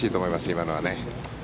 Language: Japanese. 今のはね。